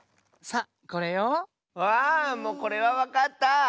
あもうこれはわかった！